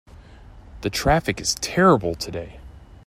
The traffic is terrible today.